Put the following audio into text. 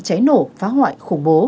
cháy nổ phá hoại khủng bố